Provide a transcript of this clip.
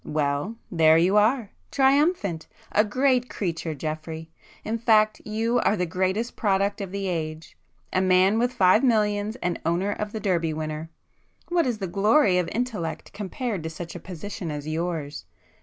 Well, there you are!—triumphant!—a great creature Geoffrey!—in fact, you are the greatest product of the age, a man with five millions and owner of the Derby winner! What is the glory of intellect compared to such a position as yours!